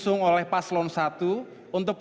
jangan seseriusnya di nasional contaget cosa sejadi kowe